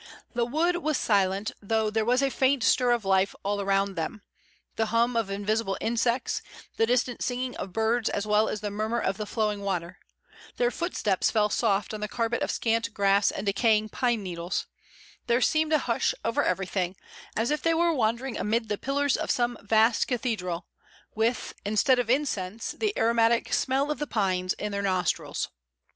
The wood was silent though there was a faint stir of life all around them, the hum of invisible insects, the distant singing of birds as well as the murmur of the flowing water. Their footsteps fell soft on the carpet of scant grass and decaying pine needles. There seemed a hush over everything, as if they were wandering amid the pillars of some vast cathedral with, instead of incense, the aromatic smell of the pines in their nostrils.